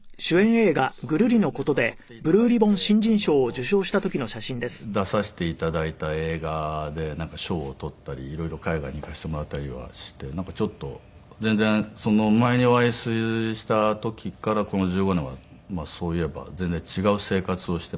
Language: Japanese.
なんかそういうね誘って頂いて出させて頂いた映画で賞を取ったり色々海外に行かせてもらったりはしてなんかちょっと全然前にお会いした時からこの１５年はそういえば全然違う生活をしていましたかね。